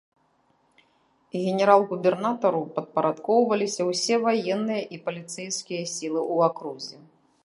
Генерал-губернатару падпарадкоўваліся ўсе ваенныя і паліцэйскія сілы ў акрузе.